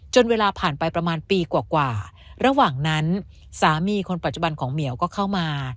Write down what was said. เวลาผ่านไปประมาณปีกว่าระหว่างนั้นสามีคนปัจจุบันของเหมียวก็เข้ามา